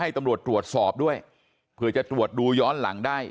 ตำรวจตรวจสอบด้วยเผื่อจะตรวจดูย้อนหลังได้